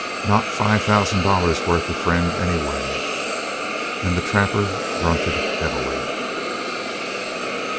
Not five thousand dollars' worth of friend, anyway." And the trapper grunted heavily.